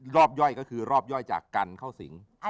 โหลดแล้วคุณราคาโหลดแล้วยัง